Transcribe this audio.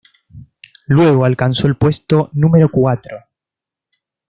Luego alcanzó el puesto número cuatro.